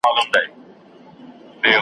هغه خوب مي ریشتیا کیږي چي تعبیر مي اورېدلی .